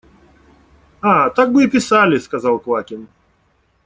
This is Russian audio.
– А, так бы и писали! – сказал Квакин.